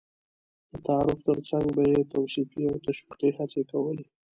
د تعارف تر څنګ به یې توصيفي او تشويقي هڅې کولې.